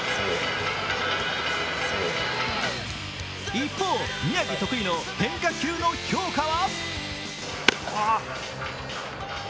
一方、宮城得意の変化球の評価は？